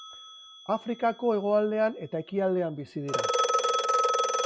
Afrikako hegoaldean eta ekialdean bizi dira.